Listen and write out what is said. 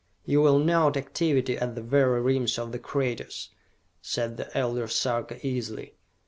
"You will note activity at the very rims of the craters!" said the Elder Sarka easily.